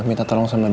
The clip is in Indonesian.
mereka yang sorg iman